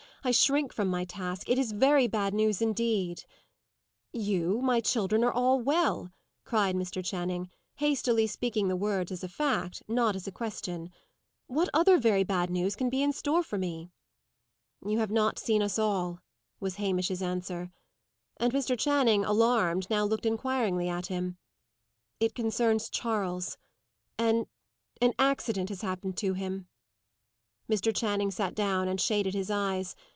I shrink from my task. It is very bad news indeed." "You, my children, are all well," cried Mr. Channing, hastily speaking the words as a fact, not as a question. "What other 'very bad' news can be in store for me?" "You have not seen us all," was Hamish's answer. And Mr. Channing, alarmed, now looked inquiringly at him. "It concerns Charles. An an accident has happened to him." Mr. Channing sat down and shaded his eyes.